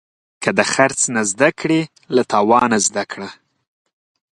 که د خرڅ نه زده کړې، له تاوانه زده کړه.